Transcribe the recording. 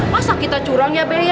masa kita curang ya be